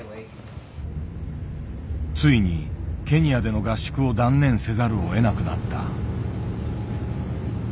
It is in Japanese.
ついにケニアでの合宿を断念せざるをえなくなった。